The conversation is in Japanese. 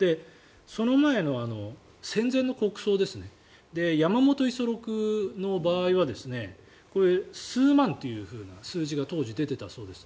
その前の戦前の国葬ですね山本五十六の場合はこれは数万という数字が当時、出ていたそうです。